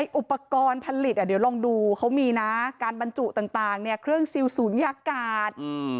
อุปกรณ์ผลิตเดี๋ยวลองดูเขามีนะการบรรจุต่างเครื่องซิลศูนยากาศ